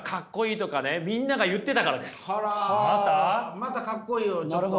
またかっこいいをちょっと。